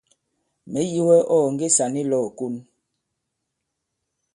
Mɛ̀ yi wɛ ɔ̂ ɔ̀ nge sàn i lɔ̄w ìkon.